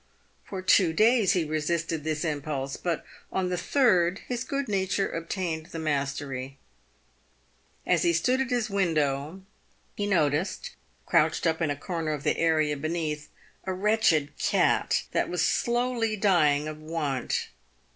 For two days he resisted this impulse, but on the third his good nature obtained the mastery. As he stood at his window he noticed, crouched up in a corner of the area beneath, a wretched cat, that was slowly dying of want.